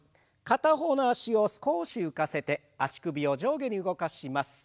片方の脚を少し浮かせて足首を上下に動かします。